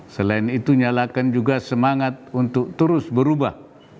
selain itu nyalakan juga semangat untuk terus berubah